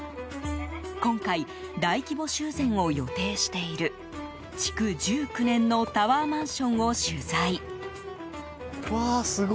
今回、大規模修繕を予定している築１９年のタワーマンションを取材。